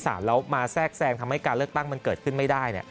แล้วมาแทรกแซงทำให้การเลือกตั้งมันเกิดขึ้นไม่ได้